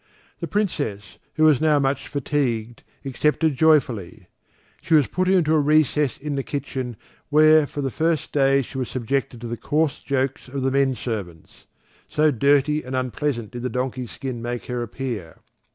The Princess, who was now much fatigued, accepted joyfully. She was put into a recess in the kitchen where for the first days she was subjected to the coarse jokes of the men servants, so dirty and unpleasant did the donkey skin make her appear.